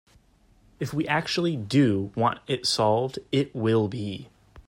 If we actually do want it solved, it will be.